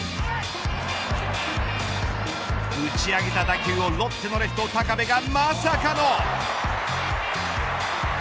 打ち上げた打球をロッテのレフト高部がまさかの。